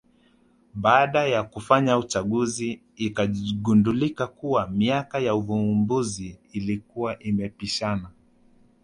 Baada ya kufanya uchunguzi ikagundulika kuwa miaka ya uvumbuzi ilikuwa imepishana